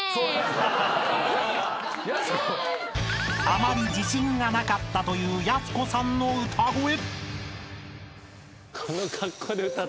［あまり自信がなかったというやす子さんの歌声］